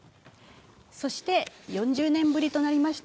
そして４０年ぶりとなりました